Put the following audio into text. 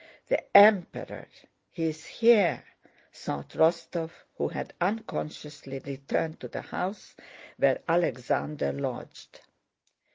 The Emperor!... He is here!" thought Rostóv, who had unconsciously returned to the house where Alexander lodged.